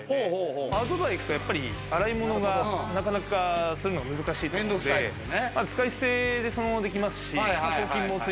アウトドアでは洗い物がなかなかするのが難しいので、使い捨てでそのままできますし。